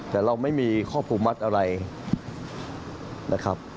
แต่เราไม่มีข้อผูกมัดอะไรนะครับ